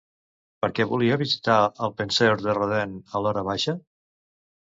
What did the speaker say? Per què volia visitar el Penseur de Rodin a l'horabaixa?